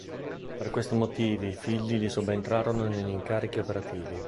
Per questo motivo i figli gli subentrarono negli incarichi operativi.